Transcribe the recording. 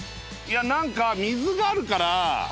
何か水があるから。